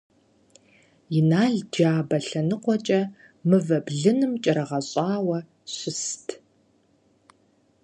Инал джабэ лъэныкъуэкӀэ мывэ блыным кӀэрыгъэщӀауэ щыст.